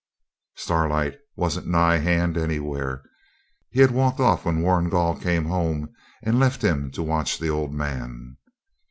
Starlight wasn't nigh hand anywhere. He had walked off when Warrigal came home, and left him to watch the old man.